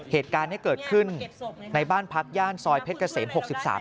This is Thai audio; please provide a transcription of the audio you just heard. เหตุการณ์ที่เกิดขึ้นในบ้านพักย่านซอยเพชรเกษม๖๓